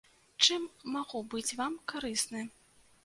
Чым магу быць вам карысны?